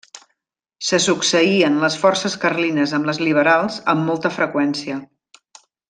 Se succeïen les forces carlines amb les liberals amb molta freqüència.